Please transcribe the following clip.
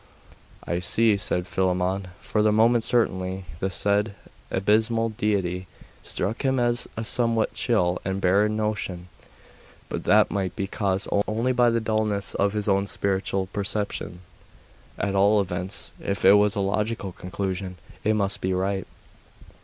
'I see,' said Philammon; for the moment, certainly, the said abysmal Deity struck him as a somewhat chill and barren notion.... but that might be caused only by the dulness of his own spiritual perceptions. At all events, if it was a logical conclusion, it must be right.